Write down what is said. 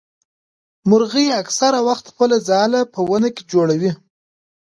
مرغۍ اکثره وخت خپل ځاله په ونه کي جوړوي.